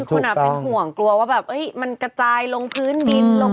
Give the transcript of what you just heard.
คนเป็นห่วงกลัวว่าแบบมันกระจายลงพื้นดินลง